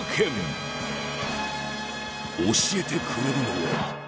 教えてくれるのは。